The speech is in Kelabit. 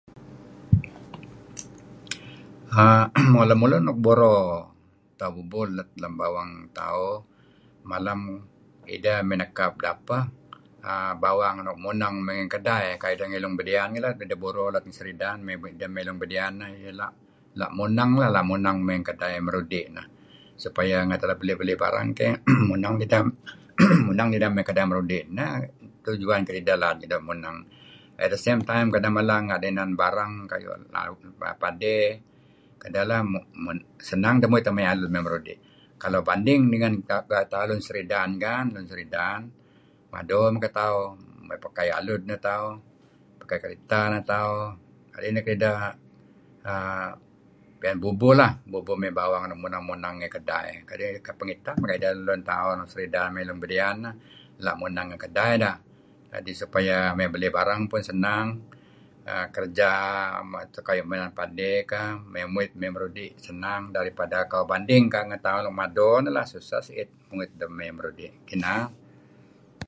Err... Mo, lemulun nuk buro let pu'un let lem bawang tauh malem, ideh mey nekap dapeh bawang nuk muneng mey ngih kedai kayu' ideh nuk ngih Lg Bedian ngilad. Ideh buro let Seridan ideh mey ngih Kedai. La' muneng, ngih kedai Marudi' neh. Spaya nga' ideh la' belih-belih barang keyh muneng nideh, muneng nideh nigh kedai Marudi neh'. Neh tujuan kedideh la' muneng. At the same time kedeh mala nga' ideh inan barang, kayu' tauh midang padey, senang teh muit maya' dih mey Marudi'. Kalau banding dengan, tauh lun Seridan kan, lun Seridan, mado men ketauh, pakai alud neh tauh, pakai kereta neh tauh. Kadi' neh kedideh pian bubuh leh, bubuh mey bawang-bawang nuk muneng-muneng ngih kedai. Pengitap kayu' ideh lun tauh Lg Seridan ngih Lg Bedian neh. La' muneng ngih kedai deh. Kadi' supaya la' belih barang pun senang. kerja midang padey kah mey muit deh mey Marudi senang berbanding kan dengen kamih nuk mado, susah sikit.